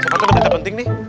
sama sama getar penting nih